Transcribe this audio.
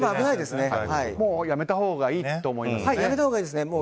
やめたほうがいいと思いますね。